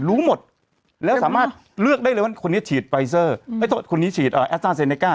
รู้หมดแล้วสามารถเลือกได้เลยว่าคนนี้ฉีดไฟเซอร์คนนี้ฉีดแอสต้าเซเนก้า